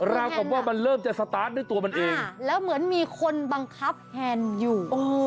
ราวกับว่ามันเริ่มจะสตาร์ทด้วยตัวมันเองแล้วเหมือนมีคนบังคับแฮนด์อยู่